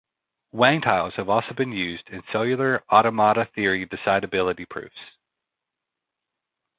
Wang tiles have also been used in cellular automata theory decidability proofs.